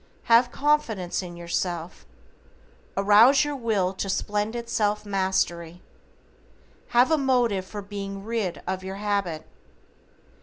Have confidence in yourself. Arouse your will to splendid self mastery. Have a motive for being rid of your habit.